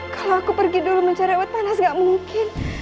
kalau aku pergi dulu mencari ewet panas gak mungkin